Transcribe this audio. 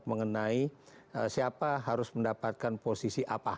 mengenai siapa harus mendapatkan posisi apa